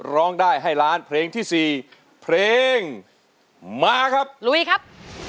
ร้องได้ให้ล้านเพลงที่สี่เพลงมาครับลุยครับ